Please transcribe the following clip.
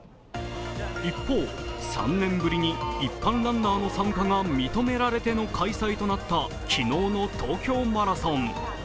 一方、３年ぶりに一般ランナーの参加が認められての開催となった昨日の東京マラソン。